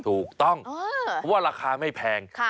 ถูกต้องเพราะว่าราคาไม่แพง